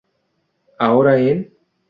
Ahora en